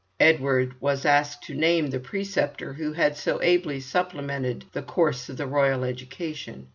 Edward was asked to name the preceptor who had so ably supplemented the course of the royal education.